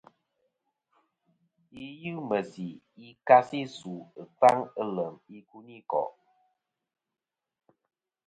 Yi yɨ meysi yi ka si ɨsu ɨkfaŋ ɨ lem ikuniko'.